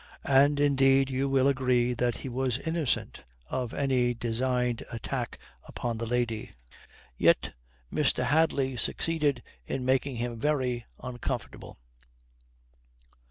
And indeed you will agree that he was innocent of any designed attack upon the lady. Yet Mr. Hadley succeeded in making him very uncomfortable.